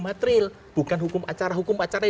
material bukan hukum acara hukum acara